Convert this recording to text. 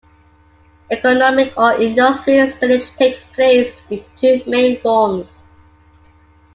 Economic or industrial espionage takes place in two main forms.